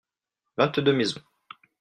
vingt deux maisons.